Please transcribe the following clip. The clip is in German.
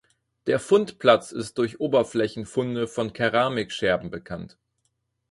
Der Fundplatz ist durch Oberflächenfunde von Keramikscherben bekannt.